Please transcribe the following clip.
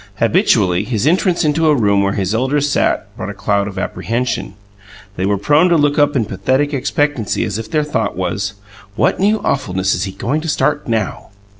Habitually, his entrance into a room where his elders sat brought a cloud of apprehension: they were prone to look up in pathetic expectancy, as if their thought was, "What new awfulness is he going to start NOW?"